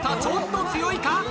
ちょっと強いか？